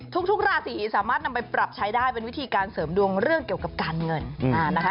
ทุกราศีสามารถนำไปปรับใช้ได้เป็นวิธีการเสริมดวงเรื่องเกี่ยวกับการเงินนะคะ